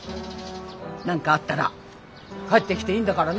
何かあったら帰ってきていいんだからね。